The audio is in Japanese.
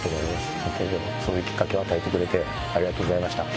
本当にそういうきっかけを与えてくれてありがとうございました。